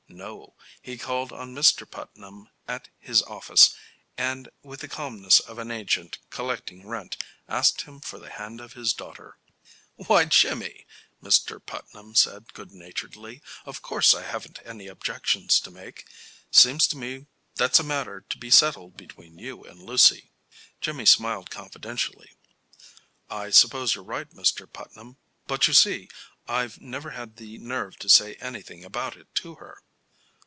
No. He called on Mr. Putnam at his office, and with the calmness of an agent collecting rent, asked him for the hand of his daughter. "Why, Jimmy," Mr. Putnam said good naturedly, "of course I haven't any objections to make. Seems to me that's a matter to be settled between you and Lucy." Jimmy smiled confidentially. "I suppose you're right, Mr. Putnam. But, you see, I've never had the nerve to say anything about it to her."